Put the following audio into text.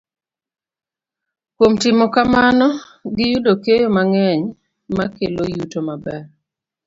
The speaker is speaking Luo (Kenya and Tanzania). Kuom timo kamano, giyudo keyo mang'eny makelo yuto maber.